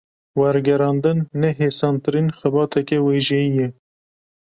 Wergerandin, ne hêsantirîn xebateke wêjeyî ye